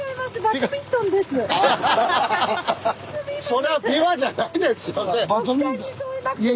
それは琵琶じゃないですよね。